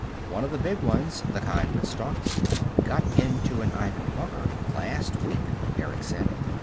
"One of the big ones, the kind with stalks, got into an Ivan bunker last week," Eric said.